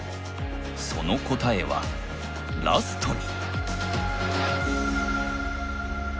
その答えはラストに！